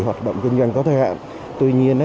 hoạt động kinh doanh có thời hạn